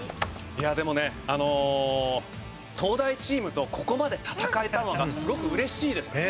いやでもね東大チームとここまで戦えたのがすごく嬉しいです。